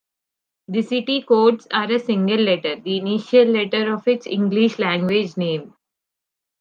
The city codes are a single letter, the initial letter of its English-language name.